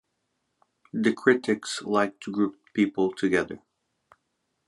The critics like to group people together.